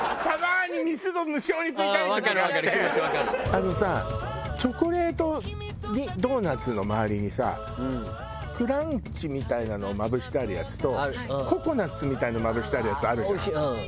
あのさチョコレートドーナツの周りにさクランチみたいなのをまぶしてあるやつとココナツみたいなのまぶしてあるやつあるじゃない。